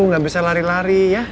nggak bisa lari lari ya